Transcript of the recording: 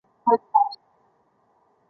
刺盖草为菊科蓟属下的一个种。